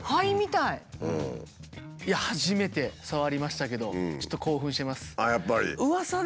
初めて触りましたけどちょっと興奮してます。